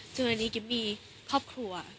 จนวันนี้กิ๊บมีครอบครัว